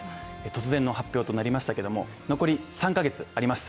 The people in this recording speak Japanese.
突然の発表となりましたけれども残り３か月あります。